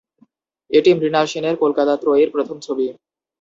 এটি মৃণাল সেনের কলকাতা ত্রয়ীর প্রথম ছবি।